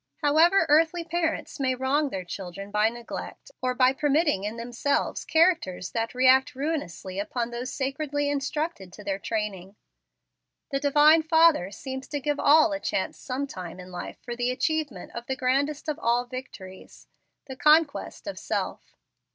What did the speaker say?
However earthly parents may wrong their children by neglect, or by permitting in themselves characters that react ruinously upon those sacredly intrusted to their training, the Divine Father seems to give all a chance sometime in life for the achievement of the grandest of all victories, the conquest of self.